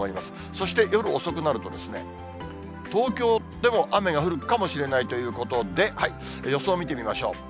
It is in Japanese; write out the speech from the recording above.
そして夜遅くなるとですね、東京でも雨が降るかもしれないということで、予想を見てみましょう。